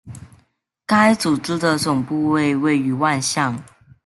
该组织的总部位于万象。